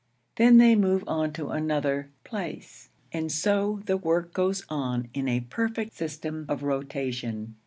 Then they move on to another 'place'; and so the work goes on in a perfect system of rotation.